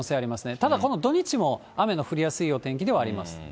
ただこの土日も雨の降りやすいお天気ではあります。